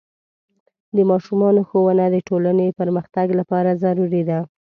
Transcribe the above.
د ماشومانو ښوونه د ټولنې پرمختګ لپاره ضروري ده.